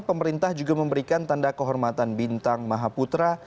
pemerintah juga memberikan tanda kehormatan bintang maha putra